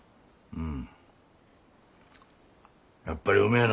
うん。